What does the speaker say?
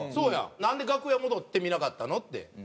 なんで楽屋戻って見なかったの？って。